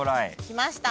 きました！